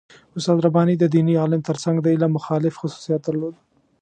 استاد رباني د دیني عالم تر څنګ د علم مخالف خصوصیت درلود.